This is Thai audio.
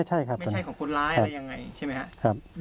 ไม่ใช่ของคนร้ายอะไรยังไงใช่ไหมครับ